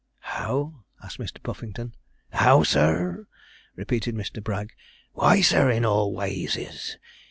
'How?' asked Mr. Puffington. 'How, sir?' repeated Mr. Bragg; 'why, sir, in all wayses.